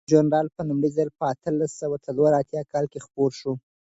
دا ژورنال په لومړي ځل په اتلس سوه څلور اتیا کال کې خپور شو.